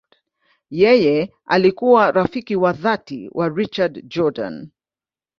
Yeye alikuwa rafiki wa dhati wa Richard Jordan.